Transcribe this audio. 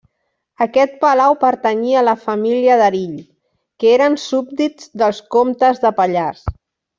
Aquest palau pertanyia a la família d'Erill, que eren súbdits dels comtes de Pallars.